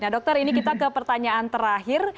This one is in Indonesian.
dokter ini kita ke pertanyaan terakhir